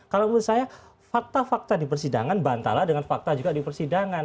kalau menurut saya fakta fakta di persidangan bantala dengan fakta juga di persidangan